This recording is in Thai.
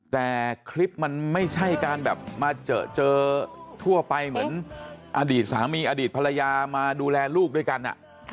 แต่คลิปมันไม่ใช่การแบบมาเจอเจอทั่วไปเหมือนอดีตสามีอดีตภรรยามาดูแลลูกด้วยกัน